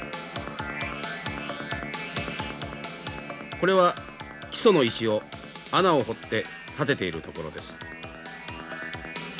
これは基礎の石を穴を掘って立てているところです。